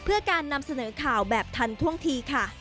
เพื่อการนำเสนอข่าวแบบทันท่วงทีค่ะ